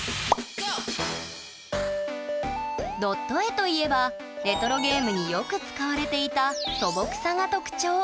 ドット絵といえばレトロゲームによく使われていた素朴さが特徴。